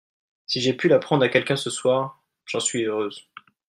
Si j’ai pu l’apprendre à quelqu’un ce soir, j’en suis heureuse.